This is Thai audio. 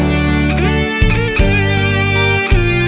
ในคุณ